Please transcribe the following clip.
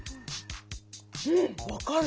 うん分かる。